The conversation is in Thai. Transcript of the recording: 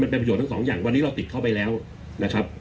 เป็นประโยชนทั้งสองอย่างวันนี้เราติดเข้าไปแล้วนะครับ